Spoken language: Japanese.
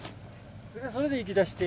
それで行きだして。